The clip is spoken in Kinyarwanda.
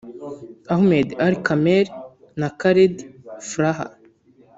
Ahmed Ali Kamel na Khaled Frah